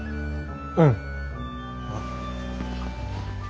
うん。